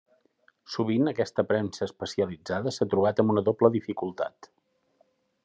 Sovint aquesta premsa especialitzada s'ha trobat amb una doble dificultat.